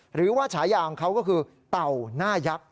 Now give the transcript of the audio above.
ฉายาของเขาก็คือเต่าหน้ายักษ์